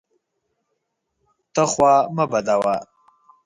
ته خوا مه بدوه!